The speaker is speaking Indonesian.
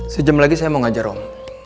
sejam lagi saya mau ngajar om